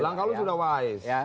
langkah lu sudah wise